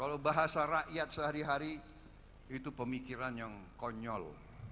kalau bahasa rakyat sehari hari itu pemikiran yang konyol